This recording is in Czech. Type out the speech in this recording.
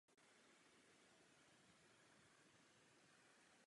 O klášterním pivovaru existuje velmi málo písemných pramenů.